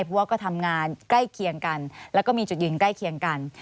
เพราะว่าก็ทำงานใกล้เคียงกันแล้วก็มีจุดยืนใกล้เคียงกัน